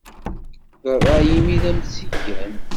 D ṛṛay-im i am-tt-igan.